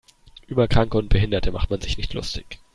Über Kranke und Behinderte macht man sich nicht lustig.